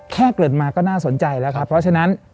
เกิดมาก็น่าสนใจแล้วครับเพราะฉะนั้น